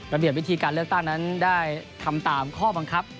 ระเบียบวิธีการเลือกตั้งนั้นได้ทำตามข้อบังคับ